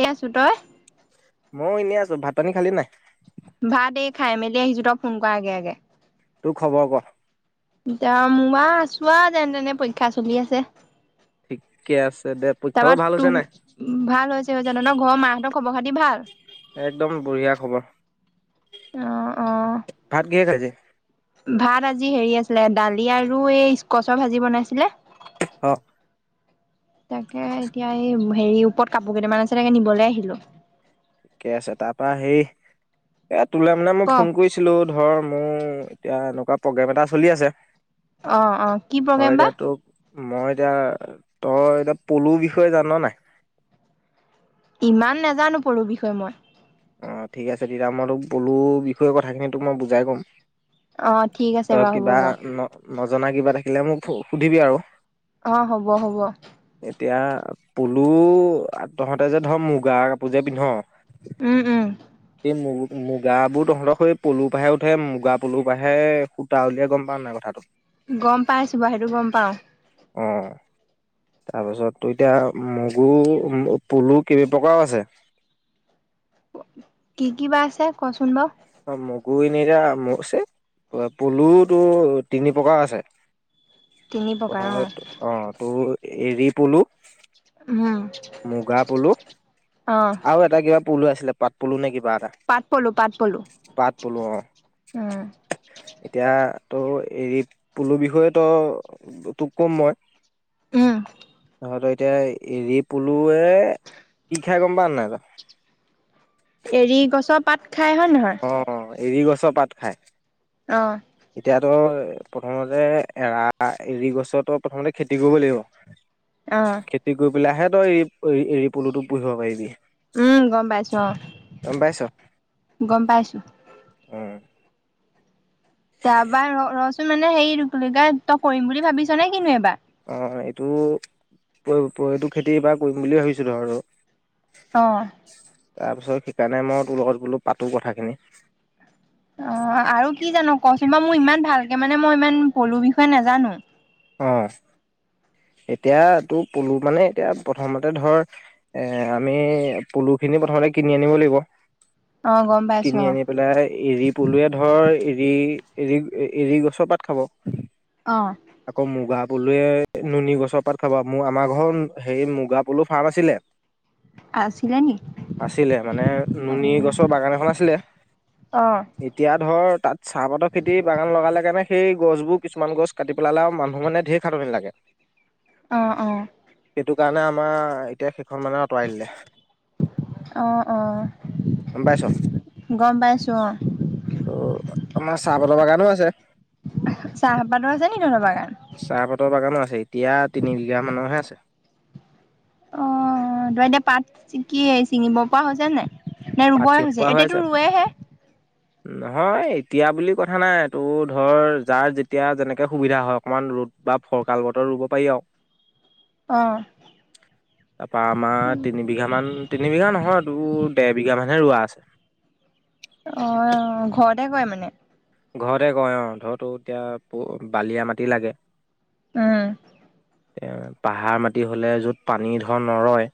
এ আছো তই ময়ো এনেই আছো ভাত পানী খালী নাই ভাত দেই খাই মেলি আহিছো তই ফোন কৰা আগে আগে তোক খবৰ ক এতিয়া মা আছোৱা যেনে তেনে পৰীক্ষা চলি আছে ঠিকে আছে দে পৰীক্ষা তাৰপা বোৰ ভাল হৈছে তোক নাই ভাল হৈছে হৈছে তহঁতৰ ঘৰৰ মাহঁতৰ খবৰ খাতি ভাল একদম বঢ়িয়া খবৰ অ অ ভাত কিহে খাইছে ভাত আজি হেৰি আছিলে দালি আৰু এই স্কচৰ ভাজি বনাইছিলে অ তাকে এতিয়া এই হেৰি ওপৰত কাপোৰ কেইটামান আছে তাকে নিবলৈ আহিলো ঠিকে আছে তাৰপৰা সেই তোলে মানে ক মই ফোন কৰিছিলো ধৰ মোৰ এতিয়া এনেকুৱা প্ৰগ্ৰেম এটা চলি আছে অ অ কি ধৰ প্ৰগ্ৰেম এতিয়া বা তোক মই এতিয়া তই এতিয়া পলু বিষয়ে জান নাই ইমান নাজানো পঢ়ো বিষয়ে মই অ ঠিক আছে তেতিয়া মই তোক পলু বিষয়ে কথাখিনি তোক মই বুজাই কম অ ঠিক আছে তই বাৰু কিবা হ'ব বাৰু ন নজনা কিবা থাকিলে মোক সুধিবি আৰু অ হ'ব হ'ব এতিয়া পুলু তহঁতে যে ধৰ মুগা কাপোৰ যে পিন্ধ উম উম গ মুগাবোৰ তহঁতক সেই পলু পৰাাহে উঠে মুগা পলু পৰাাহে সূতা উলিয়াই গম পাওঁ নাই কথাটো গম পাইছো বাৰু সেইটো গম পাও অ তাৰপিছত এতিয়া মগু পুলু কিব প্ৰকাৰও আছে কি কিবা আছে কচোন বাৰু অ মগুৰ এনে এতিয়া মছে পলু তো তিনি প্ৰকাৰ আছে তিনি প্ৰকাৰ প্ৰথ অ ত এৰিপুলু উম মুগা পুলু। অ', আৰু এটা কিবা পলো আছিলে পাত পুলু নে কিবা। এটা পাট পলো পাট পলো পাট পলু অ উ'ম ত' এৰি পুলুৰ বিষয়ে তো তোক ক'ম মই উ'ম তহঁতৰ এতিয়া এৰি পলে কি সিয়া গম প নাই। এৰি গছৰ পাত খাই হয় নহয়? এৰি গছৰ পাত খায়। অ', এতিয়াতো প্ৰথমতে এৰা এৰী গছৰ প্ৰথমতে খেতি কৰিব লাগিব। অ', খেতি কৰি পেলাইহে। তই এৰি এৰি পলুতো পুহিব পাৰিবি। উ'ম গম পাইছো অ গম পাইছ? গম পাইছো। উ'ম তাৰপা ৰ ৰচোন মানে সেই তই কৰিম বুলি ভাবিছ নে কিনো এইবাৰ। অ এইটো এইটো খেতি বাৰ কৰিম বুলি ভাবিছো ধৰ আৰু অ তাৰ পিছত সেইকাৰণে মই তোৰ লগত গ'লো পাতো কথাখিনি। অ আৰু কি জানো কচোন বা মোৰ ইমান ভালকে মানে মই ইমান পলুৰ বিষয়ে নাজানো। অঁ এতিয়াতো পলু মানে এতিয়া প্ৰথমতে ধৰ আমি পলুখিনি প্ৰথমতে কিনি আনিব লাগিব। অ', গম পাইছো কিনি অ', আনি পেলাই এৰি পলোৱয়ে ধৰ এৰি এ এ এৰি গছৰ পাত খাব। অ', আকৌ মুগা- পলুৱে নুনি গছৰ পাত খাবা মোৰ আমাৰ ঘৰৰত হেৰি মুগা পলু ফাৰ্ম আছিলে। আছিলে নি? আছিলে মানে নুনী অ', গছৰ বাগান- আছিলে অ', এতিয়া ধৰ- ধৰ তাত চাহপাতৰ খেতি বাগান লগালে কাৰণে সেই গছবোৰ কিছুমান গছ কাটি পেলালে আৰু মানুহ মানে ধেৰ সাধনি লাগে। আহঁ আহঁ। মানে আমাৰ এতিয়া- এখন মানে আঁতৰাই দিলে অ', অ', গম পাইছ- গম পাইছো অ- আমাৰ চাহপাতৰ বাগান আছে। চাহপাতৰ আছে নি তহতৰ বাগান? চাহপাতৰ বাগানো এতিয়া তিনি বিঘা মানৰহে আছে। অ তই এতিয়া পাত কি চিঙিব পৰা হৈছে নাই নাই পাত ৰুবই ছিঙি হৈছে পৰা হৈ এতিয়াতো আছে ৰোৱেহে নহয় এতিয়া বুলি কথা নাই তোৰ ধৰ যাৰ যেতিয়া যেনেকে সুবিধা হয় অকণমান ৰ'দ বা ফৰকাল বতৰ ৰুব পাৰি আও অ তাৰপৰা আমাৰ তিনি বিঘা মান তিন বিঘা নহয় তো দু দে বিঘা মানহে ৰোৱা আছে অ ঘৰতে কৱে মানে ঘৰতে কয় অ ঘৰটো এতিয়া প বালিয়া মাটি লাগে উম পাহাৰ মাটি হলে য'ত পানী ধৰ নৰয়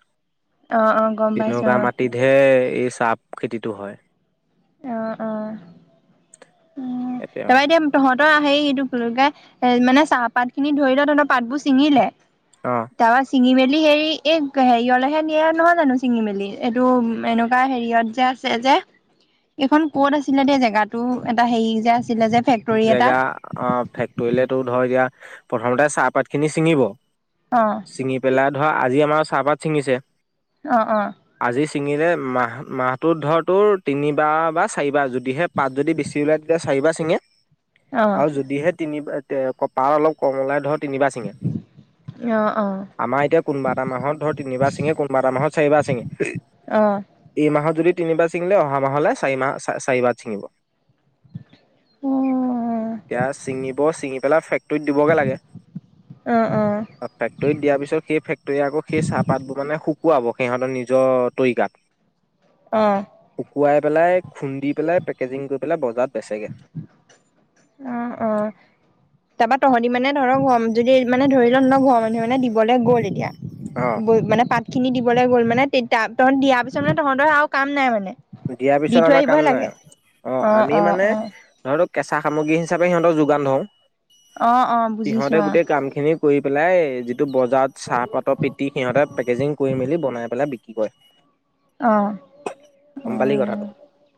অ অ গম পাইছো তেনেকোৱা মাটিতহে এই চাপ খেতিটো হয় অহ অহ উ সেইটোৱে তাৰ পৰা এতিয়া তহঁতৰ সেই সেইটো এ মানে চাহ পাত খিনি ধৰি লও তঁহতৰ পাত বোৰ চিঙিলে অ তাপাছত চিঙি মেলি হেৰি এই হেৰিয়লেহে নিয়ে নহয় জানো চিঙি মেলি এইটো এনেকোৱা হেৰিয়ত যে আছে যে এইখন ক'ত আছিলে দে জেগাটো এটা হেৰি যে আ জেগা অ ফেক্টৰিলেটো ধৰ এতিয়া প্ৰথমতে চাহপাত খিনি ছিঙিব অ ছিঙি পেলাই ধৰা আজি আমাৰ চাহপাত ছিঙিছে অ অ চিঙিলে মাহ মাহটোত ধৰ তোৰ তিনিবাৰ বা চাৰিবাৰ যদিহে পাত যদি বেছি ওলায় তেতিয়া চাৰিবাৰ চিঙে আৰু তহঁতি যদিহে তিনিবাৰ তে পাত অলপ কম ওলাই ধৰ তিনিবাৰ চিঙে আমাৰ এতিয়া কোনোবা এটা মাহত ধৰ তিনিবাৰ চিঙে কোনোবা এটা মাহত চাৰিবাৰ চিঙে এই মাহৰ যদি তিনিবাৰ ছিঙিলে অহা মাহলে চাৰি মাহ চাৰিবাৰ ছিঙিব এতিয়া ছিঙিব ছিঙি পেলাই ফেক্টৰীত দিবগে লাগে ফেক্টৰীত দিয়াৰ পিছত সেই ফেক্টৰী আকৌ সেই চাহপাতবোৰ মানে শু শুকোৱাব সিহঁতৰ নিজৰ তৰিকাত শুকুৱাই পেলাই খুন্দি পেলাই পেকেজিং কৰি পেলাই বজাৰত বেচেগে অ অ তাৰাপৰা তহঁতি মানে ধৰক যদি মানে ধৰি লও ন ঘৰৰ মানুহে মানে দিবলৈ গ'ল এতিয়া অ মানে পাত খিনি দিবলে গ'ল মানে তেতিয়া তহঁত দিয়াৰ পিছত মানে তহঁতৰ আৰু কাম নাই মানে দিয়াৰ দি পিছত থৈ আমাৰ কাম আহিবহে নাই লাগে আৰু। অ আমি মানে ধৰক কেঁচা সামগ্ৰী হিচাপে সিহঁতক যোগান ধৰো। অ অ বুজিছো সিহঁতে অ গোটেই কাম খিনি কৰি পেলাই কি বজাৰত চাহপাতৰ পিতিি সিহঁতে পেকেজিং কৰি মেলি বনাই পেলাই বিক কি কয়। অ' কথাটো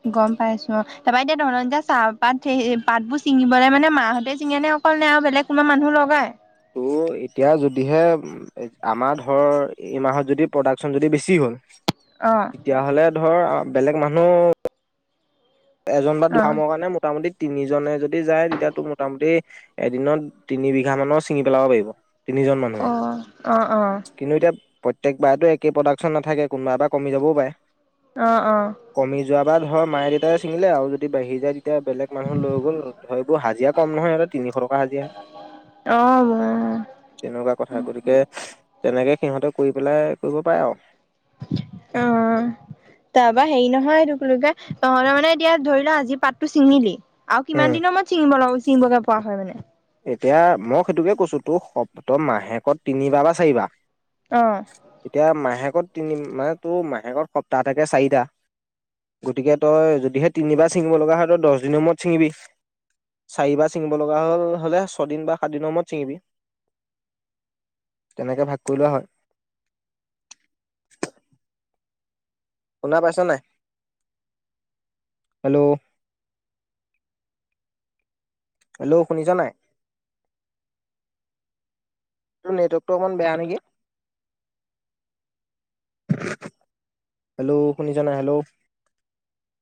উ গম পাইছো। অ তাৰপা এতিয়া ধন এতিয়া চাহপাত পাতবোৰ চিঙিবলৈ মানে মাহঁতে চিঙা নে অকল নে আৰু বেলেগ কোনোবা মানুহ লগাই? ত' এতিয়া যদিহে উম আমাৰ ধৰ এই মাহত যদি প্ৰডাকচন যদি বেছি হ'ল? অ তেতিয়াাহ'লে ধ ৰ বেলেগ মানুহ এজন বা ধৰা অ মৰ কাৰণে মোটামুটি তিনি জনে যদি যায়, তেতিয়াতো মোটামুটি এদিনত তিনি বিঘা মানৰ ছিঙি পেলাব পাৰিব। তিনিজন মানুহে অহ-অহ-অহ প্ৰত্যেকবাৰতো একে প্ৰডাকশ্যন নাথাকে, কোনোবা বা কমি যাবও পাৰে। অ', অ', কমি যোৱাব ধৰ মায়ে দে আৰু যদি বাঢ়ি যায় এতিয়া বেলেগ মানুহ লৈ গ'ল ধ এইবোৰ হাজিৰা কম নহয় আৰু তিনিশ টকা হাজিৰা হে, অ', তেনেকুৱা কথা। গতিকে তেনেকে সিহঁতে কৰি পেলাই কৰিব পাৰে আৰু। অ তাৰপৰা হেৰি নহয়, এটো কি বুলি কৈ, তহঁতে মানে এতিয়া ধৰিলোঁ আজি পাতটো চিঙিলি? আৰু উম কিমান দিনৰ মূৰত চিঙিবা শিং বগা পোৱা হয় মানে? এতিয়া মই সেইটোকে কৈছো তোক, সপ্ত তই মাহেকত তিনিবা বা চাৰিবাৰ। অ'। এতিয়া মাহেকত তিনি মানে তোৰ মাহেকত সপ্তাহ থাকে চাৰিটা, গতিকে তই যদিহে তিনিবাৰ ছিঙিব লগা হয় তই দহ দিনৰ মূৰত ছিঙিবি, চাৰিবাৰ ছিঙিব লগা হ'ল হলে ছয়দিন বা সাতদিনৰ মূৰত ছিঙিবি, তেনেকে ভাগ কৰি লোৱা হয়। শুনা পাইছনে? হেল্ল'? হেল্ল'? শুনিছ নাই? নেটৱৰ্টো অক বেয়া নেকি? হেল্ল'? শুনিছ নাই? হেল্ল'?